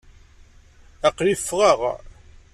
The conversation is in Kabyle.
Aql-i ffɣeɣ.